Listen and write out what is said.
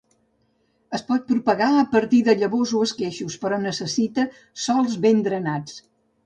Es pot propagar a partir de llavors o d'esqueixos, però necessita sòls ben drenats.